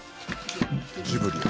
ジブリや。